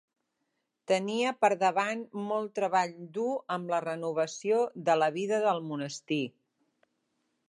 Tenia per davant molt treball dur amb la renovació de la vida del monestir.